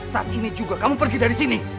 saat ini juga kamu pergi dari sini